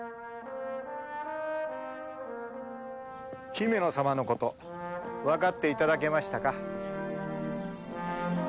ヒメノ様のことわかっていただけましたか？